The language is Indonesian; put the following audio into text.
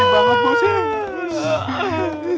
sedih banget bos